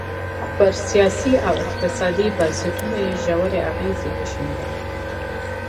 پر سیاسي او اقتصادي بنسټونو یې ژورې اغېزې وښندلې.